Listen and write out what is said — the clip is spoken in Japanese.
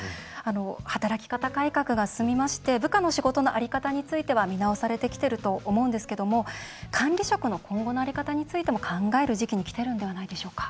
働き方改革が進みまして部下の仕事の在り方については見直されてきてると思うんですが管理職の今後の在り方についても考える時期にきてるんではないでしょうか？